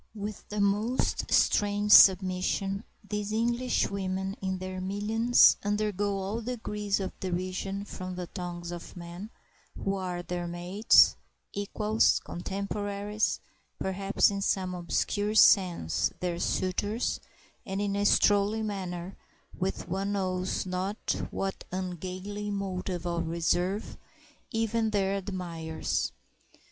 With the most strange submission these Englishwomen in their millions undergo all degrees of derision from the tongues of men who are their mates, equals, contemporaries, perhaps in some obscure sense their suitors, and in a strolling manner, with one knows not what ungainly motive of reserve, even their admirers.